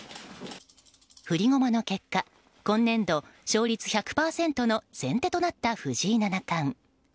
振り駒の結果今年度、勝率１００％の先手となった藤井七冠。